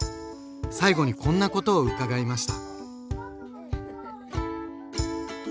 最後にこんなことを伺いました。